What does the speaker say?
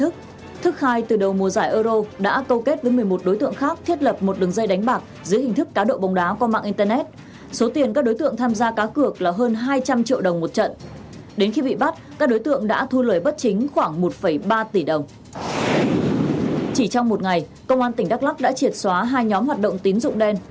chỉ trong một ngày công an tỉnh đắk lắk đã triệt xóa hai nhóm hoạt động tín dụng đen